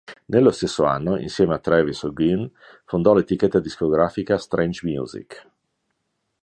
Nello stesso anno, insieme a Travis O'Guin, fondò l'etichetta discografica Strange Music.